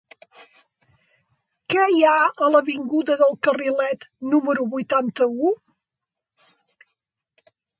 Què hi ha a l'avinguda del Carrilet número vuitanta-u?